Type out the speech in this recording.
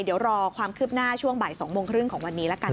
เดี๋ยวรอความคืบหน้าช่วง๒บน๓๐ของวันนี้แล้วกัน